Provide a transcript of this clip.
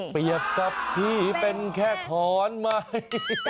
เปรียบครับพี่เป็นแค่ขอนไม้